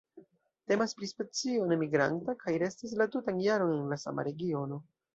Temas pri specio nemigranta kaj restas la tutan jaron en la sama regiono.